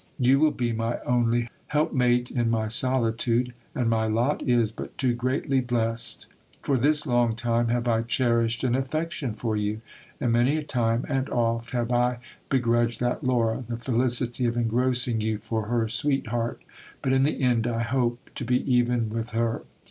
You will be my only helpmate in my solitude, and my lot is but too greatly blessed. For this long time have I cherished an affection for you : and many a time and oft have I begrudged that Laura the felicity of engrossing you for her sweet heart ; but in the end I hope to be even with her.